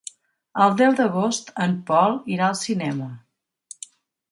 El deu d'agost en Pol irà al cinema.